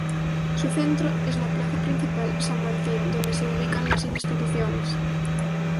Su centro es la plaza principal "San Martín" donde se ubican las instituciones.